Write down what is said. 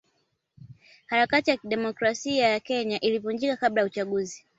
Harakati ya demokrasia ya Kenya ilivunjika kabla ya uchaguzi